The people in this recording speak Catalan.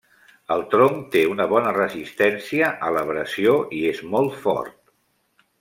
El tronc té una bona resistència a l'abrasió i és molt fort.